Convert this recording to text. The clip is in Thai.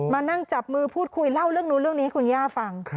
มานั่งจับมือพูดคุยเล่าเรื่องนู้นเรื่องนี้ให้คุณย่าฟัง